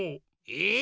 えっ？